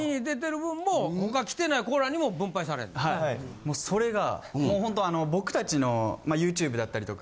もうそれがもうホント僕たちのＹｏｕＴｕｂｅだったりとか。